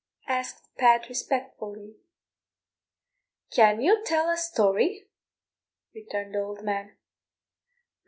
asked Pat respectfully. "Can you tell a story?" returned the old man.